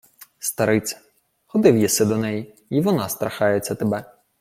— Стариця... Ходив єси до неї, й вона страхається тебе.